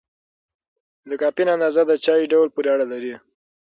د کافین اندازه د چای ډول پورې اړه لري.